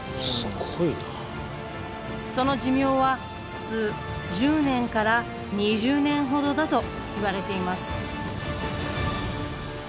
その寿命は普通１０年から２０年ほどだといわれています。